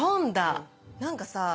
何かさ